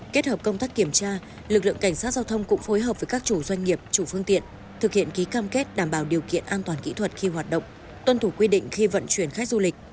kết hợp công tác kiểm tra lực lượng cảnh sát giao thông cũng phối hợp với các chủ doanh nghiệp chủ phương tiện thực hiện ký cam kết đảm bảo điều kiện an toàn kỹ thuật khi hoạt động tuân thủ quy định khi vận chuyển khách du lịch